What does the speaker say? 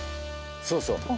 そうそう。